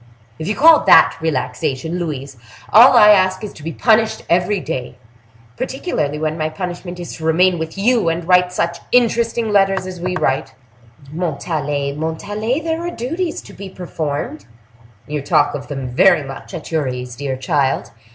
If you call that relaxation, Louise, all I ask is to be punished every day; particularly when my punishment is to remain with you and write such interesting letters as we write!" "Montalais! Montalais! there are duties to be performed." "You talk of them very much at your ease, dear child!